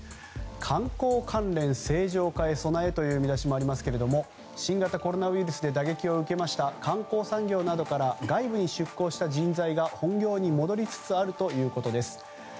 観光関連、正常化へ備えという見出しもありますけど新型コロナウイルスで打撃を受けた観光産業などから外部に出向した人材が本業に戻りつつあるということです。